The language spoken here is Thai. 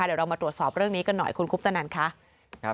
เดี๋ยวเรามาตรวจสอบเรื่องนี้กันหน่อยคุณคุปตนันค่ะ